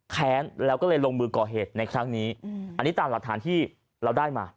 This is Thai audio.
แค้นแล้วก็เลยลงมือก่อเหตุในครั้งนี้อันนี้ตามหลักฐานที่เราได้มา